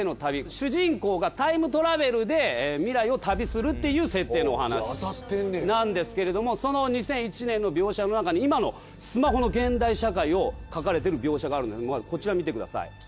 主人公がタイムトラベルで未来を旅するっていう設定のお話なんですけれどもその２００１年の描写の中に今のスマホの現代社会を描かれてる描写があるんでこちら見てください。